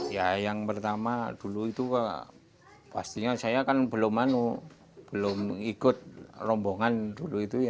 ya yang pertama dulu itu pastinya saya kan belum ikut rombongan dulu itu ya